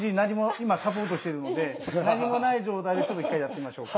今サポートしてるので何もない状態でちょっと一回やってみましょうか。